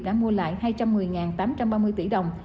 đã mua lại hai trăm một mươi tám trăm ba mươi tỷ đồng